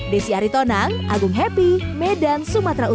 desi aritonang agung happy medan sumatera utara